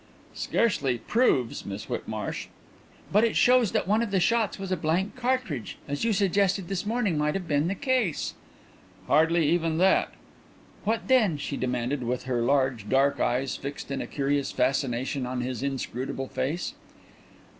"Scarcely 'proves,' Miss Whitmarsh." "But it shows that one of the shots was a blank charge, as you suggested this morning might have been the case." "Hardly even that." "What then?" she demanded, with her large dark eyes fixed in a curious fascination on his inscrutable face.